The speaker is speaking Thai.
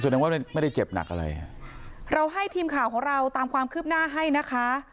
แสดงว่าไม่ได้เจ็บหนักอะไรเราให้ทีมข่าวของเราตามความคืบหน้าให้นะคะ